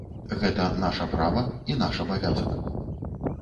Гэта наша права і наш абавязак.